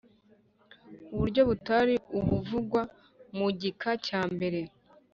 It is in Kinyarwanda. Uburyo butari ubuvugwa mu gika cya mbere